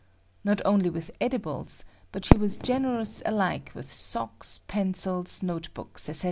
Not only with edibles, but she was generous alike with socks, pencils, note books, etc.